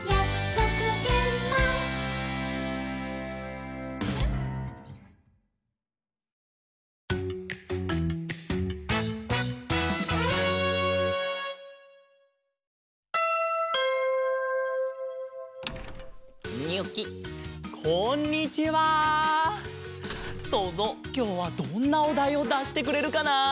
そうぞうきょうはどんなおだいをだしてくれるかな？